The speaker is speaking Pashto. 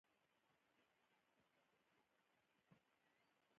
ډیرن لیهر د اسټرالیا له پاره زیات رنزونه جوړ کړل.